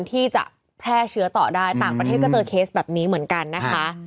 ที่จะแพร่เชื้อต่อได้ต่างประเทศก็เจอเคสแบบนี้เหมือนกันนะคะ